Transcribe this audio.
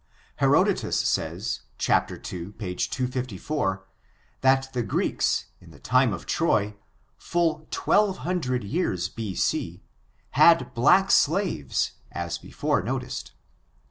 Herod otus says, chap. 2, page 254, that the Greeks, in the time of Troy, full twelve hundred years B. C, had black slaves, as before noticed.